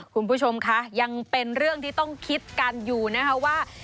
คุณผู้ชมคะยังเป็นเรื่องที่ต้องคิดกันอยู่นะคะว่า